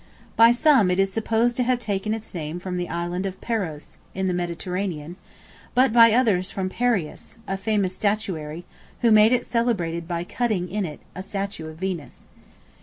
By some, it is supposed to have taken its name from the Isle of Paros, in the Mediterranean; but by others from Parius, a famous statuary, who made it celebrated by cutting in it a statue of Venus.